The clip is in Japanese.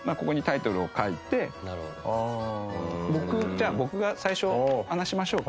じゃあ僕が最初話しましょうか。